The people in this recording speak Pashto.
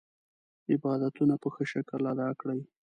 عبادتونه په ښه شکل ادا کړي.